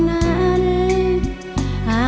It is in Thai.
กลับมาเมื่อเวลาที่สุดท้าย